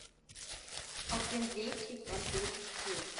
Auf dem Weg liegt ein totes Tier.